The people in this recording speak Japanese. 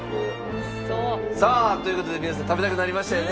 さあという事で皆さん食べたくなりましたよね。